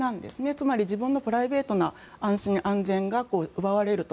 つまり自分のプライベートな安心安全が奪われると。